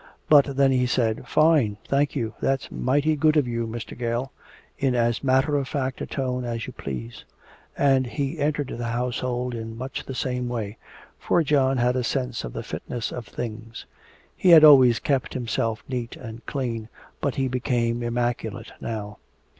But then he said, "Fine, thank you. That's mighty good of you, Mr. Gale," in as matter of fact a tone as you please. And he entered the household in much the same way, for John had a sense of the fitness of things. He had always kept himself neat and clean, but he became immaculate now.